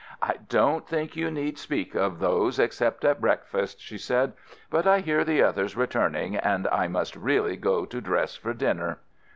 "I don't think you need speak of those except at breakfast," she said; "but I hear the others returning, and I must really go to dress for dinner."